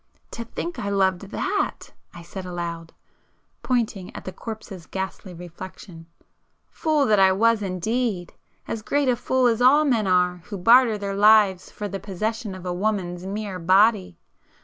"To think I loved that!" I said aloud, pointing at the corpse's ghastly reflection—"Fool that I was indeed!—as great a fool as all men are who barter their lives for the possession of a woman's mere body!